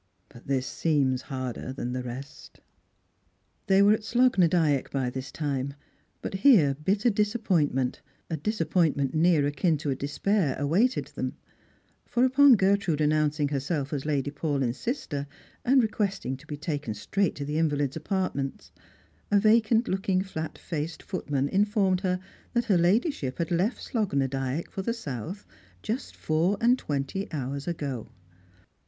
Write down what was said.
But this seems harder than the rest." They were at Slogh na Dyack by this time ; but here bitter disappointment, a disappointment near akin to despair, awaited them, for upon Gertrude annonnoing herself as Lady Paulyn's sister, and requesting to be takn n straight to the invalid's apartments, a vacant looking flat faced footman informed her that her ladyship had left Slogh na Dyack for the South just four and twenty hours ago.